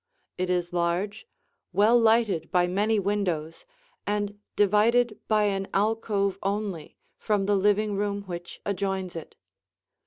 It is large, well lighted by many windows, and divided by an alcove only from the living room which adjoins it.